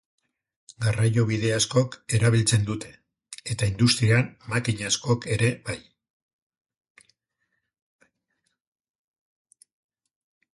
Garraiobide askok erabiltzen dute, eta industrian makina askok ere bai.